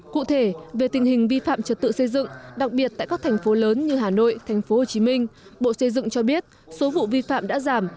cụ thể về tình hình vi phạm trật tự xây dựng đặc biệt tại các thành phố lớn như hà nội tp hcm bộ xây dựng cho biết số vụ vi phạm đã giảm